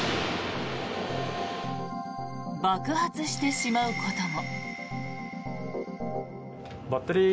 爆発してしまうことも。